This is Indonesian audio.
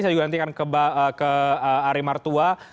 saya juga nantikan ke ari martua